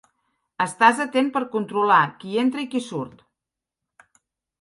Estàs atent per controlar qui entra i qui surt.